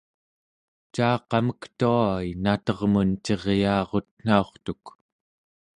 caaqamek tua-i natermun ciryaarutnaurtuk